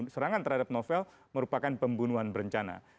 serangan terhadap novel merupakan pembunuhan berencana